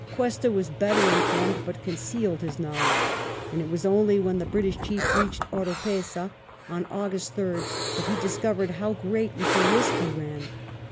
Cuesta was better informed, but concealed his knowledge, and it was only when the British chief reached Oropeza on August 3rd that he discovered how great was the risk he ran.